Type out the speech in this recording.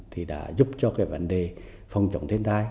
thì đã giúp cho cái vấn đề phong trọng thiên tai